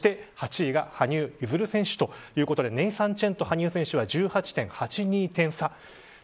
８位が羽生結弦選手ということでネイサン・チェン選手羽生選手は１８．８２点差。